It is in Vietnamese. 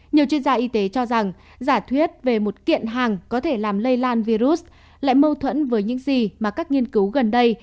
nhiều chuyên gia y tế cho rằng giả thuyết về một kiện hàng có thể làm lây lan virus lại mâu thuẫn với những gì mà các nghiên cứu gần đây